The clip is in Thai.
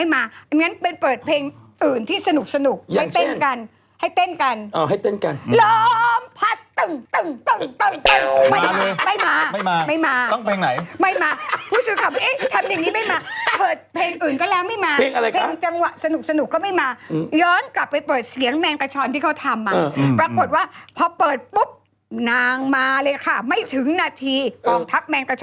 ทำไมล่ะคะคำตอบคำตอบไหมคะอ๋อให้มันดังในคนไม่ง่วง